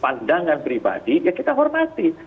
pandangan pribadi ya kita hormati